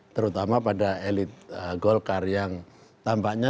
terutama pada elit gol karsita yang tampaknya